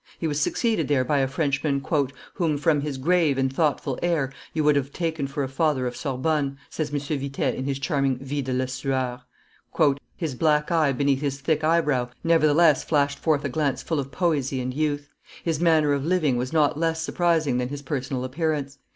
He was succeeded there by a Frenchman "whom, from his grave and thoughtful air, you would have taken for a father of Sorbonne," says M. Vitet in his charming Vie de Lesueur: "his black eye beneath his thick eyebrow nevertheless flashed forth a glance full of poesy and youth. His manner of living was not less surprising than his personal appearance.